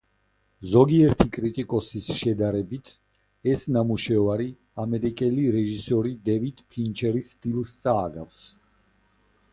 ზოგიერთი კრიტიკოსის შედარებით ეს ნამუშევარი ამერიკელი რეჟისორი დევიდ ფინჩერის სტილს წააგავს.